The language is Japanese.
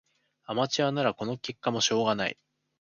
アマチュアならこの結果もしょうがない